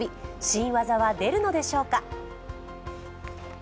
新技は出るのでしょうか。